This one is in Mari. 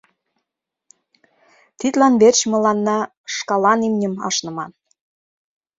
Тидлан верч мыланна шкалан имньым ашныман...